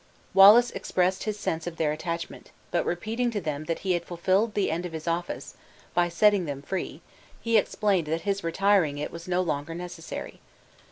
Wallace expressed his sense of their attachment, but repeating to them that he had fulfilled the end of his office, by setting them free, he explained that his retaining it was no longer necessary.